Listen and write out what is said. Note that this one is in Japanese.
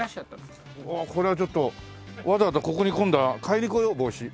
おおこれはちょっとわざわざここに今度は買いに来よう帽子。